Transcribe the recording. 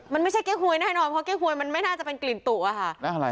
มันไม่ใช่เก๊กหวยแน่นอนเพราะเก้หวยมันไม่น่าจะเป็นกลิ่นตุอะค่ะ